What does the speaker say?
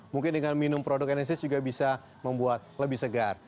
mungkin dengan minum produk enesis juga bisa membuat lebih segar